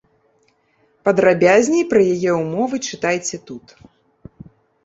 Падрабязней пра яе ўмовы чытайце тут.